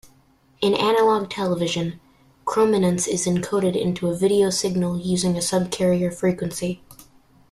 In analog television, chrominance is encoded into a video signal using a subcarrier frequency.